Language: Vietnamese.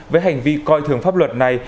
với hành vi coi thường pháp luật này